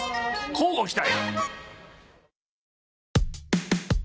乞うご期待！